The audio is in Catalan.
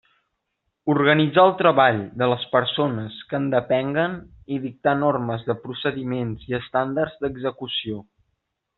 Organitzar el treball de les persones que en depenguen i dictar normes de procediments i estàndards d'execució.